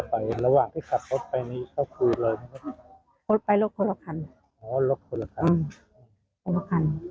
มีอะไรก็อยากให้เขาพูดมาคลุนกลุ่มเพราะว่า